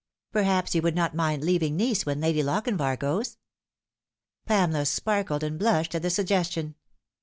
Perhaps you would not mind leaving Nice when Lady Lochinvar goes ?" Pamela sparkled and blushed at the suggestion.